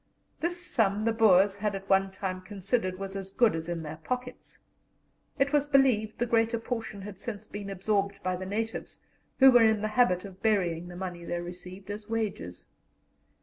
This sum the Boers had at one time considered was as good as in their pockets. It was believed the greater portion had since been absorbed by the natives, who were in the habit of burying the money they received as wages.